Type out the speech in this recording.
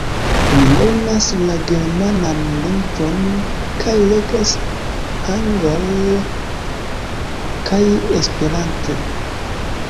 Mi lernas la germanan lingvon kaj legas angle kaj esperante.